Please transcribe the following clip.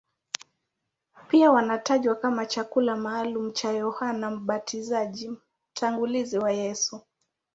Pia wanatajwa kama chakula maalumu cha Yohane Mbatizaji, mtangulizi wa Yesu.